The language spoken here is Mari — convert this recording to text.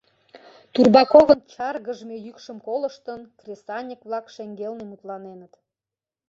Турбаковын чаргыжме йӱкшым колыштын, кресаньык-влак шеҥгелне мутланеныт: